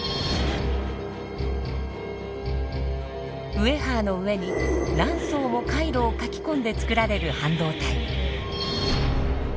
ウエハーの上に何層も回路を書き込んでつくられる半導体。